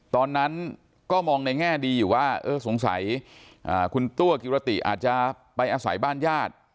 ตอนนั้นก็มองในแง่ดีอยู่ว่าเออสงสัยคุณตัวกิรติอาจจะไปอาศัยบ้านญาติ